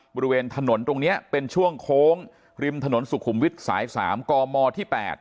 บริเวณถนนตรงนี้เป็นช่วงโค้งริมถนนสุขุมวิทย์สาย๓กมที่๘